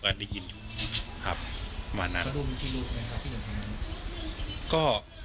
ก็ได้ยินอยู่ครับประมาณนั้นแล้วก็